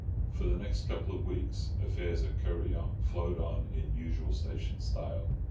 For the next couple of weeks, affairs at Kuryong flowed on in usual station style.